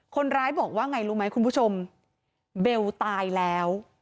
คนร้ายบอกว่าไงรู้ไหมคุณผู้ชมเบลตายแล้ว